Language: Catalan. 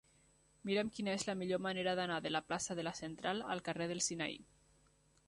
Mira'm quina és la millor manera d'anar de la plaça de la Central al carrer del Sinaí.